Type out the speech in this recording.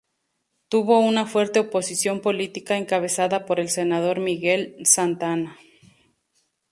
Tuvo una fuerte oposición política encabezada por el senador Miguel G. Santa Ana.